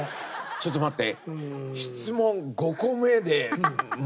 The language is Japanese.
ちょっと待って。